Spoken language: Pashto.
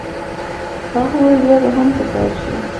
هغه وویل بیا به هم په کار شي.